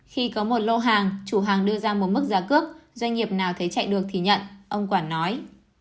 khi có một lô hàng chủ hàng đưa ra một mức giá cước doanh nghiệp nào thấy chạy được thì nhận ông quản nói